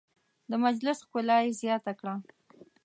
د مجلس ښکلا یې زیاته کړه.